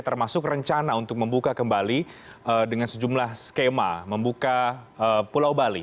termasuk rencana untuk membuka kembali dengan sejumlah skema membuka pulau bali